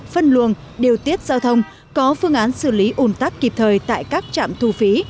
phân luồng điều tiết giao thông có phương án xử lý ủn tắc kịp thời tại các trạm thu phí